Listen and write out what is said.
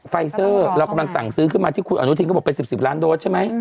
ไฟเซอร์เรากำลังสั่งซื้อขึ้นมาที่คุณอนุทินก็บอกเป็น๑๐ล้านโดสใช่ไหม